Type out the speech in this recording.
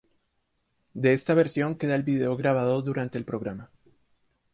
De esta versión queda el video grabado durante el programa.